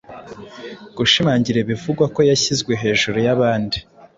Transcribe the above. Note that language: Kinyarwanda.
gishimangira ibivugwa ko yashyizwe hejuru y’abandi